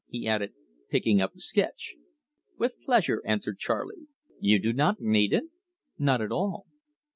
he added, picking up the sketch. "With pleasure," answered Charley. "You do not need it?" "Not at all."